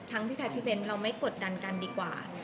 พี่แพทย์พี่เบ้นเราไม่กดดันกันดีกว่า